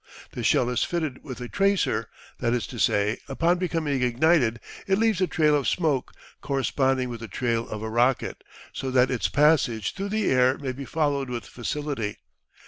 The shell is fitted with a "tracer," that is to say, upon becoming ignited it leaves a trail of smoke, corresponding with the trail of a rocket, so that its passage through the air may be followed with facility.